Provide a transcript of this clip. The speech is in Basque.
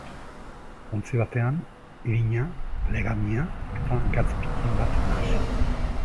Ontzi batean, irina, legamia eta gatz pitin bat nahasi.